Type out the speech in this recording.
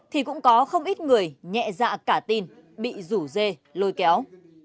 thì cũng có không ít người nhẹ dạ cả tin bị rủ dê lôi kéo